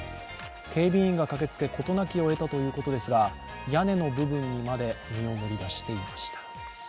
警備員が駆けつけ、事なきを得たということですが、屋根の部分にまで身を乗り出していました。